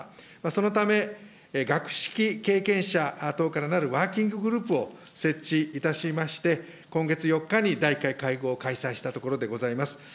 そのため、学識経験者等からなるワーキンググループを設置いたしまして、今月４日に第１回会合を開催したところでございます。